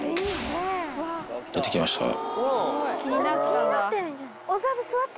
出てきましたね。